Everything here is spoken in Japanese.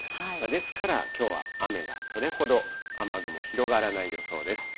ですからきょうは雨がそれほど雨雲広がらない予想です。